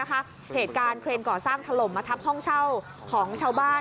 เหตุการณ์เครนก่อสร้างถล่มมาทับห้องเช่าของชาวบ้าน